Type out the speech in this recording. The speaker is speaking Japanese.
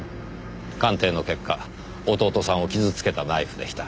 鑑定の結果弟さんを傷つけたナイフでした。